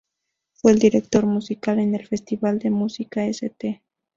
Fue el director musical en el Festival de Música St.